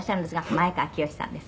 「前川清さんです。